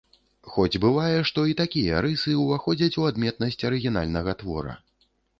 Хоць бывае, што і такія рысы ўваходзяць у адметнасць арыгінальнага твора.